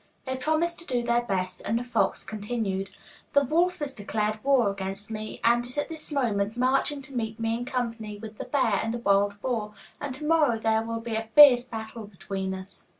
They promised to do their best, and the fox continued, 'The wolf has declared war against me, and is at this moment marching to meet me in company with the bear and the wild boar, and to morrow there will be a fierce battle between us.